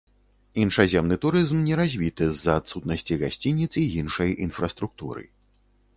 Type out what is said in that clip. Іншаземны турызм не развіты з-за адсутнасці гасцініц і іншай інфраструктуры.